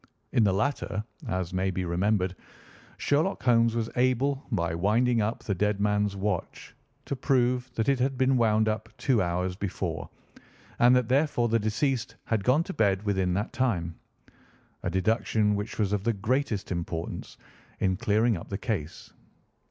In the latter, as may be remembered, Sherlock Holmes was able, by winding up the dead man's watch, to prove that it had been wound up two hours before, and that therefore the deceased had gone to bed within that time—a deduction which was of the greatest importance in clearing up the case.